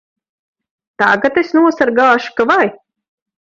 Tagad es nosargāšu ka vai!